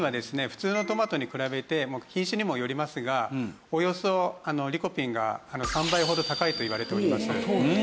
普通のトマトに比べて品種にもよりますがおよそリコピンが３倍ほど高いといわれております。